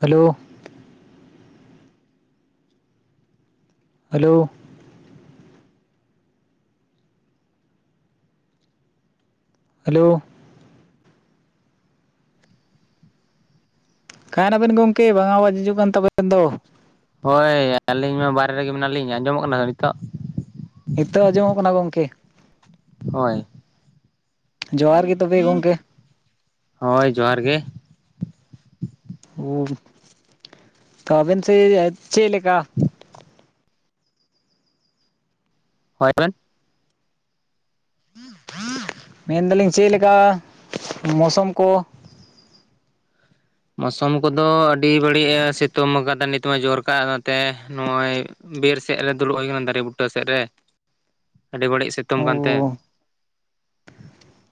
Hello. Hello hello ᱠᱟᱭ ᱱᱟᱵᱤᱱ ᱜᱚᱝᱠᱮ ᱵᱟᱝ ᱟᱣᱟᱡ ᱦᱤᱡᱩᱜ ᱠᱟᱱ ᱛᱟᱵᱮᱱ ᱫᱚ? ᱦᱳᱭ ᱟᱹᱞᱤᱧ ᱢᱟ ᱵᱟᱨᱦᱮ ᱨᱮᱜᱮ ᱢᱮᱱᱟᱜ ᱞᱤᱧ ᱟᱸᱡᱚᱢᱚᱜ ᱠᱟᱱᱟ ᱱᱤᱛᱚᱜᱼᱼ ᱦᱤᱛᱚᱜ ᱟᱸᱡᱚᱢᱚᱜ ᱠᱟᱱᱟ ᱜᱚᱝᱠᱮ ᱾ ᱦᱳᱭ ᱡᱚᱦᱟᱨ ᱜᱮ ᱛᱚᱵᱮ ᱜᱚᱢᱠᱮ ᱦᱳᱭ ᱡᱚᱦᱟᱨ ᱜᱮ᱾ ᱦᱩᱸ ᱛᱟ ᱟᱵᱮᱱ ᱥᱮᱫ ᱪᱮᱫ ᱞᱮᱠᱟᱼᱼ ᱦᱳᱭ ᱟᱵᱮᱱ ᱢᱮᱱ ᱫᱟᱞᱤᱧ ᱪᱮᱫ ᱞᱮᱠᱟ ᱢᱳᱥᱚᱢ ᱠᱚ? ᱢᱳᱥᱚᱢ ᱠᱚ ᱫᱚ ᱟᱹᱰᱤ ᱵᱟᱹᱲᱤᱡ ᱮ ᱥᱤᱛᱩᱝ ᱟᱠᱟᱫᱟ ᱱᱤᱛ ᱢᱟ ᱡᱳᱨ ᱠᱟᱜ ᱛᱮ ᱱᱚᱜᱼᱚᱭ, ᱵᱤᱨ ᱥᱮᱫ ᱨᱮ ᱫᱩᱲᱩᱵ ᱦᱩᱭ ᱠᱟᱱ ᱫᱟᱨᱮ ᱵᱩᱴᱟᱹ ᱥᱮᱫ ᱨᱮ ᱟᱹᱰᱤ ᱵᱟᱹᱲᱤᱡ ᱥᱤᱛᱩᱝ ᱚ ᱠᱟᱱ ᱛᱮ ᱾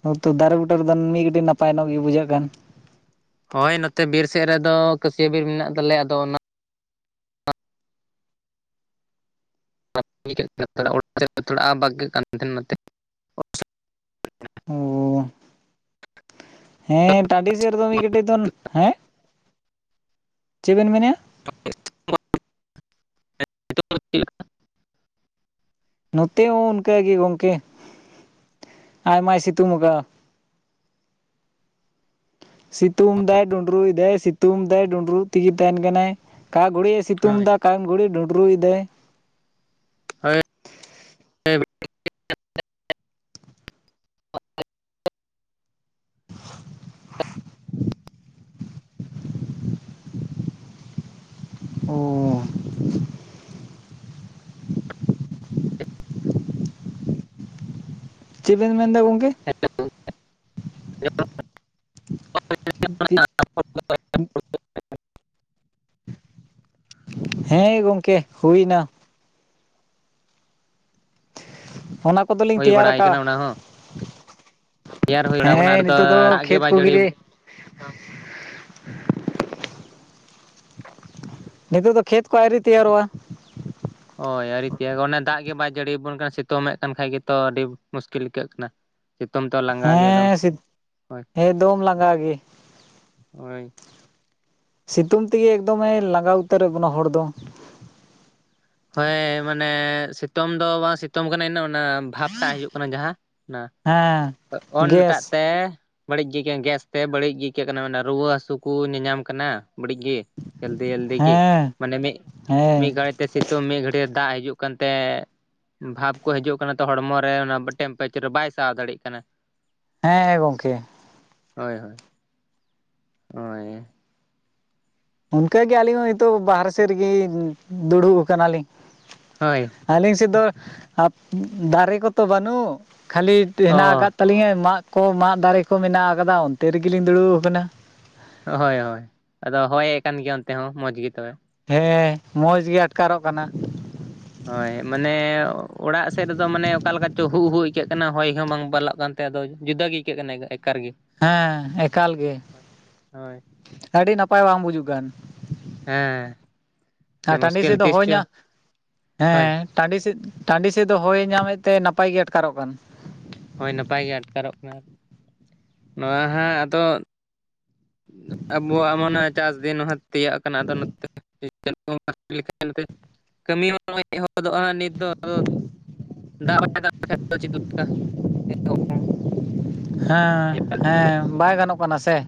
ᱦᱚᱭ ᱛᱚ ᱫᱟᱨᱮ ᱵᱩᱴᱟᱹ ᱨᱮᱫᱚ ᱢᱤᱫ ᱜᱟᱲᱤᱡ ᱱᱟᱯᱟᱭ ᱧᱚᱜ ᱜᱮ ᱵᱩᱡᱷᱟᱹᱜ ᱠᱟᱱᱼᱼ ᱦᱳᱭ ᱱᱚ ᱛᱮ ᱵᱤᱨ ᱥᱮᱫ ᱨᱮ ᱫᱚ ᱠᱟᱹᱥᱭᱟᱹ ᱵᱤᱨ ᱢᱮᱱᱟᱜ ᱛᱟᱞᱮ ᱭᱟ ᱟᱫᱚ ᱚᱱᱟᱼᱼ [unintelligible] ᱚ ᱦᱮᱸ ᱴᱟᱺᱰᱤ ᱥᱮᱨᱫᱚ ᱢᱤᱫ ᱠᱟᱹᱴᱮᱡ ᱫᱚ ᱦᱮᱸ ᱪᱮᱫ ᱵᱮᱱ ᱢᱮᱱᱮᱫᱼᱟ? [unintelligible] ᱱᱚᱛᱮ ᱦᱚᱸ ᱚᱱᱠᱟ ᱜᱮ ᱜᱚᱝᱠᱮ ᱟᱭᱢᱟᱭ ᱥᱤᱛᱩᱝᱠᱼᱟ ᱾ ᱥᱤᱛᱩᱝ ᱫᱟᱭ ᱰᱩᱸᱰᱨᱩᱭ ᱫᱟᱭ ᱥᱤᱛᱩᱝ ᱫᱟᱭ ᱰᱩᱸᱰᱨᱩᱜ ᱛᱤᱜᱤ ᱛᱟᱦᱮᱱ ᱠᱟᱱᱟᱭ ᱠᱟ ᱜᱷᱩᱲᱤᱡ ᱮ ᱥᱤᱛᱩᱝ ᱫᱟ, ᱴᱟᱤᱢ ᱜᱩᱲᱤ ᱰᱩᱰᱨᱩᱭ ᱫᱟᱭ ᱦᱳᱭ [unintelligible] ᱚᱻ ᱪᱮᱫ ᱵᱮᱱ ᱢᱮᱱ ᱫᱟ ᱜᱚᱝᱠᱮ ᱦᱮᱞᱳ ᱦᱮᱞ [unintelligible] [inaudible] ᱦᱮᱸ ᱜᱚᱢᱠᱮ ᱦᱩᱭᱱᱟ, ᱚᱱᱟᱯ ᱠᱚᱫᱚᱞᱤᱧ ᱦᱳᱭ ᱛᱮᱭᱟᱨ ᱵᱟᱲᱟᱭ ᱠᱟᱜᱼᱟ, ᱠᱟᱱᱟ ᱚᱱᱟ ᱦᱚᱸ ᱨᱮᱭᱟᱲ ᱦᱩᱭ ᱵᱟᱲᱟᱣ ᱠᱟᱱᱟ ᱟᱫᱚ ᱦᱮᱸ ᱱᱤᱛᱚᱜ ᱫᱚ ᱫᱟᱜ ᱠᱷᱮᱛ ᱵᱟᱭ ᱠᱩᱜ ᱡᱟᱹᱲᱤ ᱜᱮ ᱾ ᱱᱤᱛᱚᱜ ᱫᱚ ᱠᱷᱮᱛ ᱠᱚ ᱟᱣᱨᱤ ᱛᱮᱭᱟᱨᱚᱜᱼᱟ, ᱦᱳᱭ ᱟᱣᱨᱤ ᱛᱮᱭᱟᱜ ᱚᱱᱮ ᱫᱟᱜ ᱜᱮ ᱵᱟᱭ ᱡᱟᱹᱲᱤᱭ ᱟᱵᱩᱱ ᱠᱟᱱᱟ ᱥᱤᱛᱩᱝ ᱮᱫ ᱠᱟᱱ ᱠᱷᱟᱱ ᱜᱮᱛᱚ ᱟᱹᱰᱤ ᱢᱩᱥᱠᱤᱞ ᱠᱮᱜ ᱠᱟᱱᱟᱭ ᱾ ᱥᱤᱛᱩᱝ ᱛᱮᱦᱚ ᱞᱟᱸᱜᱟ ᱜᱮᱭᱟ ᱫᱚᱢ ᱦᱮᱸ ᱦᱳᱭ, ᱮᱠᱫᱚᱢ ᱞᱟᱸᱜᱟ ᱜᱮ᱾ ᱦᱳᱭ ᱥᱤᱛᱩᱝ ᱛᱮᱜᱮ ᱮᱠᱫᱚᱢᱮ ᱞᱟᱸᱜᱟᱣ ᱩᱛᱟᱹᱨᱮᱫ ᱵᱚᱱᱟ ᱦᱚᱲ ᱫᱚ ᱾ ᱦᱳᱭ ᱢᱟᱱᱮ ᱥᱤᱛᱩᱝ ᱫᱚ ᱵᱟᱝ ᱥᱤᱛᱩᱝ ᱠᱟᱱᱟ ᱤᱱᱟᱹ ᱚᱱᱟ ᱵᱷᱟᱵᱽᱴᱟᱜ ᱦᱤᱡᱩᱜ ᱠᱟᱱᱟ ᱡᱟᱦᱟᱸ ᱚᱱᱟ, ᱦᱮᱸᱻ ᱚᱱᱟᱴᱟᱜ ᱛᱮ ᱵᱟᱹᱲᱤᱡ ᱜᱮ ᱟᱹᱭᱠᱟᱹᱜ ᱜᱮᱥ ᱛᱮ ᱵᱟᱹᱲᱤᱡ ᱜᱮ ᱟᱹᱭᱠᱟᱹᱜ ᱠᱟᱱᱟ ᱨᱩᱣᱟᱹ ᱦᱟᱥᱩ ᱠᱚ ᱧᱟᱧᱟᱢ ᱠᱟᱱᱟ ᱵᱟᱹᱲᱤᱡ ᱜᱮ ᱾ ᱡᱟᱞᱫᱤ ᱡᱟᱞᱫᱤ ᱜᱤ ᱦᱮᱸ ᱢᱟᱱᱮ ᱢᱮ ᱢᱤᱫ ᱦᱮᱸ ᱜᱷᱟᱲᱤ ᱛᱮ ᱥᱤᱼᱼ ᱛᱚ ᱢᱤᱫ ᱜᱷᱟᱹᱲᱤᱡ ᱫᱟᱜ ᱦᱤᱡᱩᱜ ᱠᱟᱱ ᱛᱮ ᱵᱷᱟᱯ ᱠᱚ ᱦᱤᱡᱩᱜ ᱠᱟᱱᱟ ᱛᱚ ᱦᱚᱲᱢᱚ ᱨᱮ ᱚᱱᱟ ᱴᱮᱢᱯᱮᱨᱮᱪᱟᱨ ᱵᱟᱭ ᱥᱟᱦᱟᱣ ᱫᱟᱲᱮᱭᱟᱜ ᱠᱟᱱᱟ ᱾ ᱦᱮᱸ ᱜᱚᱝᱠᱮ ᱦᱳᱭ ᱦᱳᱭ ᱾ ᱦᱳᱭ ᱤᱱᱠᱟᱹ ᱜᱮ ᱟᱹᱞᱤᱧ ᱦᱚᱸ ᱱᱤᱛᱚᱜ ᱵᱟᱦᱨᱮ ᱥᱮᱫ ᱨᱮ ᱜᱮ ᱫᱩᱲᱩᱵ ᱟᱠᱟᱱᱟ ᱞᱤᱧ ᱦᱳᱭ, ᱟᱹᱞᱤᱧ ᱥᱮᱫ ᱫᱚ ᱫᱟᱨᱮ ᱠᱚᱛᱚ ᱵᱟᱹᱱᱩᱜ ᱠᱷᱟᱹᱞᱤ ᱦᱮᱱᱟᱜ ᱚ ᱟᱠᱟᱫ ᱛᱟᱹᱞᱤᱧᱟ ᱢᱟᱫ ᱠᱚ ᱢᱟᱫ ᱫᱟᱨᱮ ᱠᱚ ᱢᱮᱱᱟᱜ ᱟᱠᱟᱫᱟ ᱚᱱᱛᱮ ᱨᱮᱜᱮ ᱞᱤᱧ ᱫᱩᱲᱩᱵ ᱟᱠᱟᱱᱟ ᱾ ᱦᱳᱭ ᱦᱳᱭ ᱾ ᱟᱫᱚ ᱦᱚᱭᱮᱫ ᱠᱟᱱ ᱜᱮᱭᱟ ᱚᱱᱛᱮ ᱦᱚᱸ ᱢᱚᱸᱡᱽ ᱜᱮ ᱛᱚᱵᱮ ᱾ ᱦᱮᱸ ᱢᱚᱡᱽ ᱜᱮ ᱟᱴᱠᱟᱨᱚᱜ ᱠᱟᱱᱟ ᱾ ᱦᱳᱭ ᱢᱟᱱᱮ ᱚᱲᱟᱜ ᱥᱮᱫ ᱨᱮᱫᱚ ᱢᱟᱱᱮ ᱚᱠᱟ ᱞᱮᱠᱟ ᱪᱚ ᱦᱩ ᱦᱩ ᱟᱹᱭᱠᱟᱹᱜ ᱠᱟᱱᱟ ᱦᱚᱭ ᱦᱚᱸ ᱵᱟᱝ ᱵᱟᱞᱚᱜ ᱠᱟᱱᱟ ᱾ ᱟᱫᱚ ᱡᱩᱫᱟᱹ ᱜᱮ ᱟᱹᱭᱠᱟᱹᱜ ᱠᱟᱱᱟ ᱮᱠᱟᱨ ᱜᱮ ᱦᱮᱸ ᱮᱠᱟᱞ ᱜᱮ ᱦᱳᱭ ᱟᱹᱰᱤ ᱱᱟᱯᱟᱭ ᱵᱟᱝ ᱵᱩᱡᱩᱜ ᱠᱟᱱ ᱦᱮᱸ ᱟᱨ ᱴᱟᱺᱰᱤ ᱢᱩᱥᱠᱤᱞ ᱥᱮᱫ ᱫᱚ ᱛᱤᱥ ᱦᱳᱭ ᱪᱚ ᱧᱟᱼ ᱦᱳᱭ ᱦᱮᱸ ᱴᱟᱺᱰᱤ ᱥᱮᱫ ᱴᱟᱺᱰᱤ ᱥᱮᱫ ᱫᱚ ᱦᱚᱭᱮ ᱧᱟᱢᱮᱫ ᱛᱮ ᱱᱟᱯᱟᱭ ᱜᱮ ᱟᱴᱠᱟᱨᱚᱜ ᱠᱟᱱ ᱦᱳᱭ ᱱᱟᱯᱟᱭ ᱜᱮ ᱟᱴᱠᱟᱨᱚᱜ ᱠᱟᱱᱟ ᱱᱚᱣᱟ ᱦᱟᱸᱜ ᱟᱫᱚ ᱟᱵᱚᱣᱟᱜ ᱢᱟᱱᱮ ᱪᱟᱥ ᱫᱤᱱ ᱦᱚᱸ ᱛᱤᱭᱟᱹᱜ ᱠᱟᱱᱟ ᱟᱫᱚ ᱱᱚᱛᱮ [unintelligible] [unintelligible] ᱞᱮᱠᱷᱟᱱ ᱱᱚᱛᱮ ᱠᱟᱹᱢᱤ ᱦᱚᱸ ᱮᱛᱦᱚᱵᱚᱜᱼᱟ ᱱᱤᱛᱚᱜ ᱫᱚ ᱟᱫᱚ ᱫᱟᱜ ᱵᱟᱲᱟᱭ ᱫᱟᱜ ᱞᱮᱠᱷᱟᱱ ᱪᱮᱫ ᱞᱮᱠᱟ ᱚ ᱚ ᱦᱮᱸ ᱦᱮᱸ ᱵᱟᱭ ᱜᱟᱱᱚᱜ ᱠᱟᱱᱟ ᱥᱮ ᱾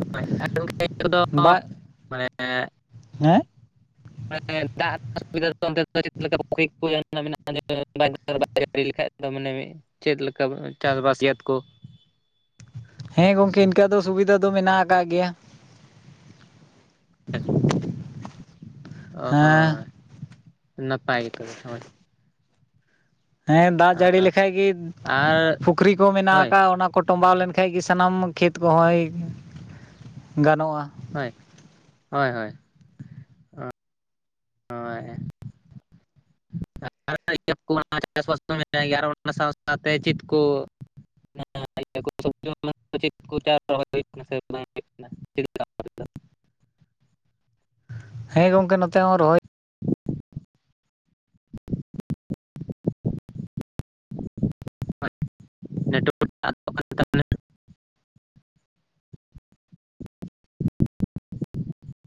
[unintelligible] ᱮ ᱱᱤᱛᱚᱜ ᱫᱚ ᱵᱟ ᱢᱟᱱᱮ ᱦᱮᱸ ᱫᱟᱜ ᱦᱚᱸ ᱥᱩᱵᱤᱫᱷᱟ ᱫᱚ ᱚᱱ ᱫᱚ ᱪᱮᱫ [unintelligible] ᱢᱮᱱᱟᱜᱼᱟ ᱫᱟᱜ ᱡᱟᱹᱲᱤ ᱞᱮᱠᱷᱟᱡ ᱫᱚ ᱢᱟᱱᱮ ᱪᱮᱫ ᱞᱮᱠᱟ ᱪᱟᱥᱵᱟᱥ ᱮᱭᱟᱛ ᱠᱚ ᱦᱮᱸ ᱜᱚᱝᱠᱮ ᱤᱱᱠᱟᱹ ᱫᱚ ᱥᱩᱵᱤᱫᱷᱟ ᱫᱚ ᱢᱮᱱᱟᱜ ᱟᱠᱟᱫ ᱜᱮᱭᱟ ᱾ ᱦᱮᱸ ᱦᱳᱭ ᱱᱟᱯᱟᱭ ᱜᱮ ᱛᱚᱵᱮ ᱦᱳᱭ ᱦᱮᱸ ᱫᱟᱜ ᱡᱟᱹᱲᱤ ᱞᱮᱠᱷᱟᱡ ᱜᱮ ᱟᱨ ᱯᱩᱠᱷᱨᱤ ᱠᱚ ᱢᱮᱱᱟᱜ ᱦᱳᱭ ᱟᱠᱟᱫ ᱚᱱᱟ ᱠᱚ ᱠᱚ ᱴᱚᱢᱵᱟᱣ ᱞᱮᱱ ᱠᱷᱟᱱ ᱜᱮ ᱥᱟᱱᱟᱢ ᱠᱷᱮᱛ ᱠᱚᱦᱚᱸᱭ ᱜᱟᱱᱚᱜᱼᱟ ᱾ ᱦᱳᱭ ᱦᱳᱭ ᱦᱳᱭ ᱦᱳᱭ [unintelligible] [unintelligible] ᱟᱨ ᱥᱟᱶ ᱛᱮ ᱪᱮᱫ ᱠᱚ [unintelligible] ᱤᱭᱟᱹ ᱥᱚᱵᱡ ᱪᱮᱫ ᱪᱟᱥ ᱦᱩᱭᱩᱜ ᱠᱟᱱᱟ ᱥᱮ ᱵᱟᱝ ᱠᱟᱱᱟ ᱦᱮᱸ ᱜᱚᱝᱠᱮ ᱱᱚᱛᱮ ᱦᱚᱸ ᱨᱚᱦᱚᱭ [inaudible] ᱱᱣᱟᱨ ᱛᱟᱮ [inaudible] [inaudible] [inaudible] [inaudible] [inaudible] [inaudible] [inaudible] [inaudible] [inaudible]